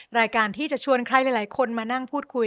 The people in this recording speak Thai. รายการที่จะชวนใครหลายคนมานั่งพูดคุย